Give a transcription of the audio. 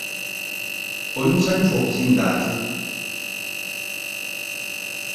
Oli musanyufu okusinga nze?